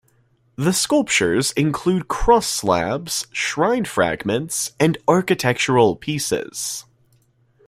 The sculptures include cross-slabs, shrine fragments and architectural pieces.